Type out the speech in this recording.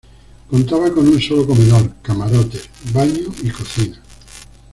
Contaba con un salón comedor, camarotes, baño y cocina.